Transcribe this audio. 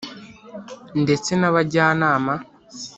ndetse n’ abajyanama